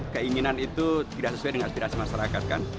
keinginan itu tidak sesuai dengan aspirasi masyarakat kan